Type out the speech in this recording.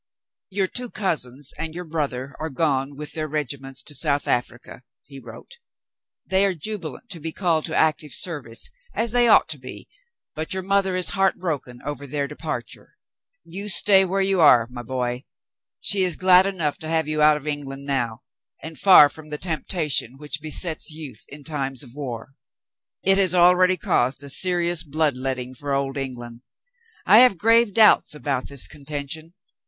"Your two cousins and your brother are gone with their regiments to South Africa," he wrote. "They are jubilant to be called to active service, as they ought to be, but your mother is heartbroken over their departure. You stay where you are, my boy. She is glad enough to have you out of England now, and far from the temptation which besets youth in times of war. It has already caused a serious blood letting for Old Eng land. I have grave doubts about this contention.